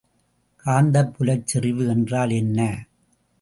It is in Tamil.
காந்தப்புலச் செறிவு என்றால் என்ன?